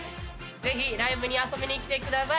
ぜひライブに遊びにきてください。